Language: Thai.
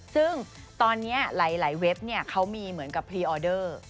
ซึ่งตอนนี้หลายเว็บเขามีเหมือนกับพรีออเดอร์